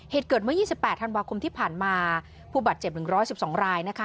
เหตุเกิดเมื่อ๒๘ธันวาคมที่ผ่านมาผู้บาดเจ็บ๑๑๒รายนะคะ